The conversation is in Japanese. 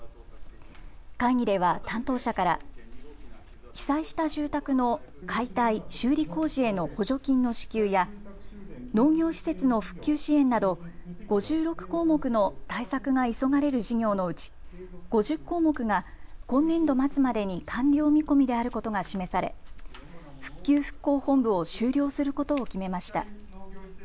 会議では担当者から被災した住宅の解体・修理工事への補助金の支給や農業施設の復旧支援など５６項目の対策が急がれる事業のうち５０項目が今年度末までに完了見込みであることが示され復旧・復興本部を終了することを決めました。